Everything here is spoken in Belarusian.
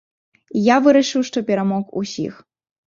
І я вырашыў, што перамог усіх.